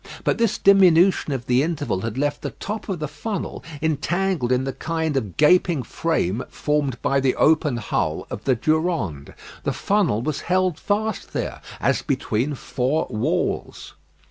But this diminution of the interval had left the top of the funnel entangled in the kind of gaping frame formed by the open hull of the Durande. The funnel was held fast there as between four walls.